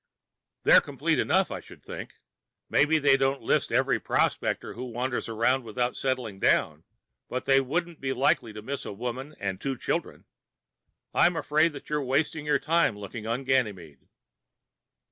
"They're complete enough, I should think. Maybe they don't list every prospector who wanders around without settling down, but they wouldn't be likely to miss a woman and two children. I'm afraid that you're wasting your time looking on Ganymede."